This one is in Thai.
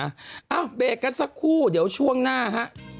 เอ้าเบรกกันสักครู่เดี๋ยวช่วงหน้าฮะ